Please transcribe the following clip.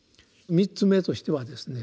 ３つ目としてはですね